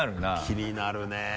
気になるね。